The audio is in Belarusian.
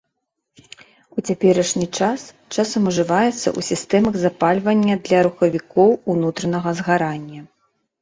У цяперашні час часам ужываецца ў сістэмах запальвання для рухавікоў унутранага згарання.